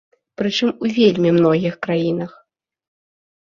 Прычым у вельмі многіх краінах.